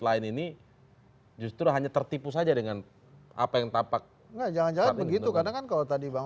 lain ini justru hanya tertipu saja dengan apa yang tapak nah jangan jangan begitu karena kan kalau tadi bang